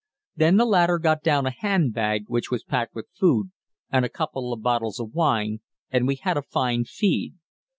Then the latter got down a hand bag, which was packed with food and a couple of bottles of wine, and we had a fine feed.